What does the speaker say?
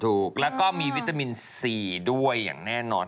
ถูกแล้วก็มีวิตามินซีด้วยอย่างแน่นอน